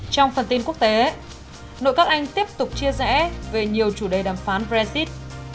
trong phần tin quốc tế nội các anh tiếp tục chia rẽ về nhiều chủ đề đàm phán brexit